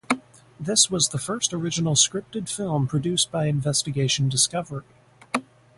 This was the first original scripted film produced by Investigation Discovery.